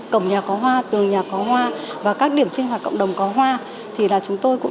tường nhà có hoa tường nhà có hoa và các điểm sinh hoạt cộng đồng có hoa thì là chúng tôi cũng